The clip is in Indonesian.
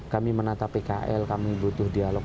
kami menata pkl kami butuh dialog